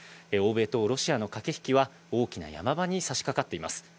欧米とロシアの駆け引きは大きな山場に差し掛かっています。